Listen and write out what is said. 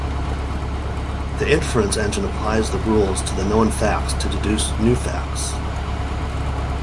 The inference engine applies the rules to the known facts to deduce new facts.